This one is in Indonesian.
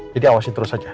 jadi awasin terus aja